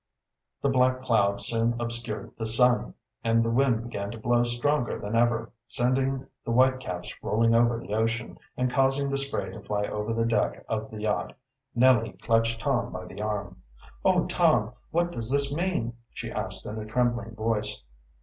The black clouds soon obscured the sun, and the wind began to blow stronger than ever, sending the whitecaps rolling over the ocean, and causing the spray to fly over the deck of the yacht. Nellie clutched Tom by the arm. "Oh, Tom, what does this mean?" she asked in a trembling voice.